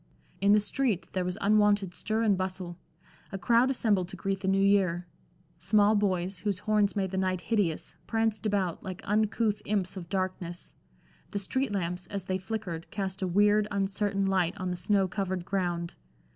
In the street there was unwonted stir and bustle. A crowd assembled to greet the New Year. Small boys, whose horns made the night hideous, pranced about like uncouth imps of darkness; the street lamps, as they flickered, cast a weird, uncertain light on the snow covered ground.